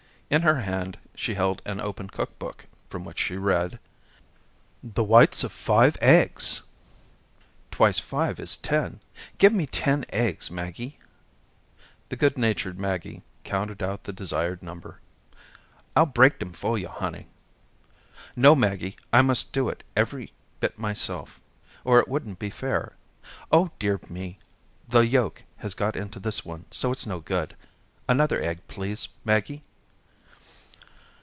In her hand, she held an open cook book from which she read: "'The whites of five eggs.' Twice five is ten. Give me ten eggs, Maggie." The good natured Maggie counted out the desired number. "I'll break dem for yo', honey." "No, Maggie, I must do it every bit myself or it wouldn't be fair. Oh, dear me. The yolk has got into this one so it's no good. Another egg, please, Maggie."